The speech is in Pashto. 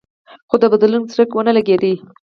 خو د بدلون څرک ونه لګېد.